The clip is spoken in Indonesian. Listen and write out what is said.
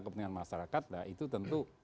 kepentingan masyarakat nah itu tentu